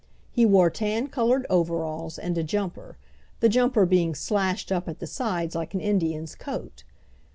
He wore tan colored overalls and a jumper, the jumper being slashed up at the sides like an Indian's coat.